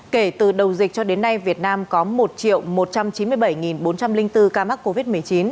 kể từ đầu dịch cho đến nay việt nam có một một trăm chín mươi bảy bốn trăm linh bốn ca mắc covid một mươi chín